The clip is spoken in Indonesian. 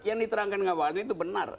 yang diterangkan ngabalin itu benar